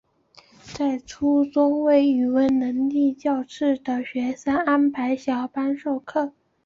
在初中为语文能力较次的学生安排小班授课。